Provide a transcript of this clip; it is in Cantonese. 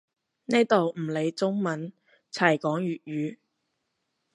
呢度唔理中文，齋講粵語